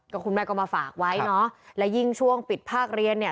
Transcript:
คุณแม่ก็มาฝากไว้เนอะและยิ่งช่วงปิดภาคเรียนเนี่ย